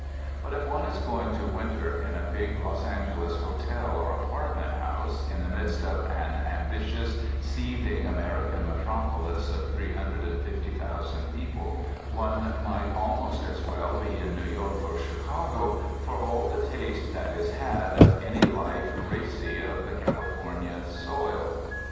But if one is going to winter in a big Los Angeles hotel or apartment house in the midst of an ambi tious, seething American metropolis of three hun dred and fifty thousand people, one might almost as well be in New York or Chicago for all the taste that is had of any life racy of the Californian soil.